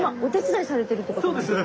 そうです。